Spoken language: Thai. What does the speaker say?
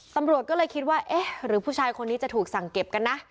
ตำรวจก็เลยคิดว่าเอ๊ะหรือผู้ชายคนนี้จะถูกสั่งเก็บกันนะ